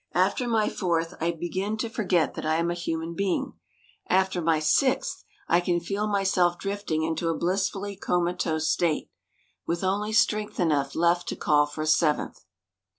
After my fourth I begin to forget that I'm a human being. After my sixth I can feel myself drifting into a blissfully comatose state — ^with only strength enough left to call for a seventh.